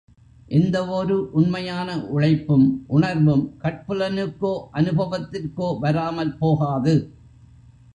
எந்தவொரு உண்மையான உழைப்பும், உணர்வும் கட்புலனுக்கோ அனுபவத்திற்கோ வாராமல் போகாது.